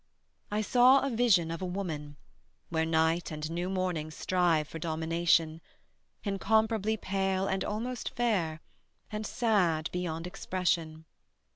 I saw a vision of a woman, where Night and new morning strive for domination; Incomparably pale, and almost fair, And sad beyond expression.